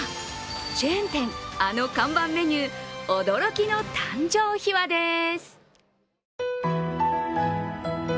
チェーン店、あの看板メニュー驚きの誕生秘話です。